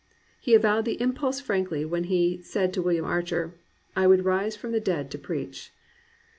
He avowed the impulse frankly when he said to William Archer, "I would rise from the dead to preach."